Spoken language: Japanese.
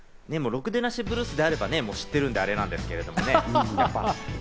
『ろくでなしＢＬＵＥＳ』であれば知ってるんで、あれなんですけどね。